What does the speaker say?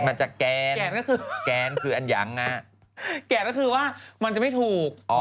มันจะแกนก็คือแกนคืออันยังอ่ะแกนก็คือว่ามันจะไม่ถูก